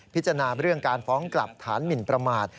พิจารณาเรื่องการฟ้องกลับฐานหมินประมาท